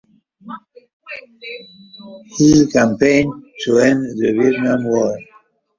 He campaigned to end the Vietnam War.